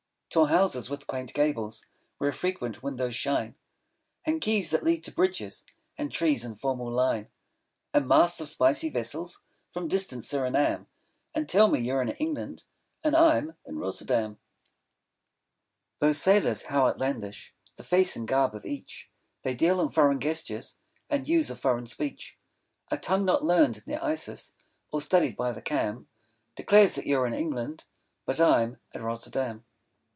Tall houses with quaint gables, Where frequent windows shine, And quays that lead to bridges, And trees in formal line, 20 And masts of spicy vessels, From distant Surinam, All tell me you're in England, And I'm in Rotterdam. Those sailors, how outlandish 25 The face and garb of each! They deal in foreign gestures, And use a foreign speech; A tongue not learned near Isis, Or studied by the Cam, 30 Declares that you're in England, But I'm at Rotterdam.